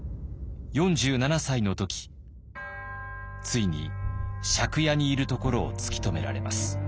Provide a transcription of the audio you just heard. ４７歳の時ついに借家にいるところを突き止められます。